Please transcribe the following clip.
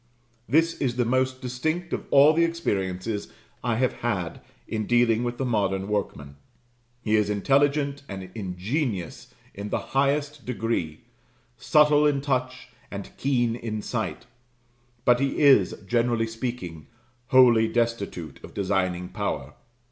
This is the most distinct of all the experiences I have had in dealing with the modern workman. He is intelligent and ingenious in the highest degree subtle in touch and keen in sight: but he is, generally speaking, wholly destitute of designing power.